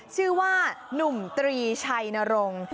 ชื่อว่านุ่มตรีชัยนรงค์